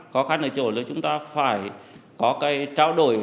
khó khăn ở chỗ là chúng ta phải có cái trao đổi